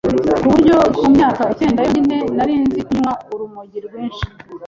ku buryo ku myaka icyenda yonyine nari nzi kunywa urumogi rwinshi,